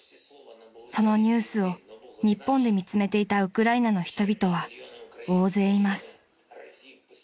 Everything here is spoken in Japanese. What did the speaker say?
［そのニュースを日本で見詰めていたウクライナの人々は大勢います］